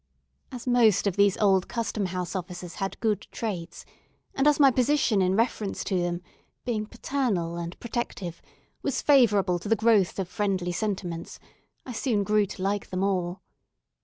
As most of these old Custom House officers had good traits, and as my position in reference to them, being paternal and protective, was favourable to the growth of friendly sentiments, I soon grew to like them all.